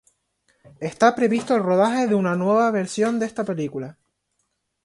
Está previsto el rodaje de una nueva versión de esta película.